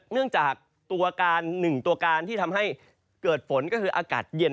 เนื่องจากตัวการหนึ่งตัวการที่ทำให้เกิดฝนก็คืออากาศเย็น